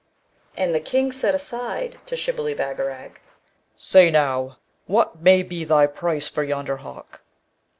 And the King said aside to Shibli Bagarag, 'Say now, what may be thy price for yonder hawk?'